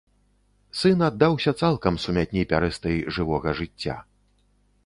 Сын аддаўся цалкам сумятні пярэстай жывога жыцця.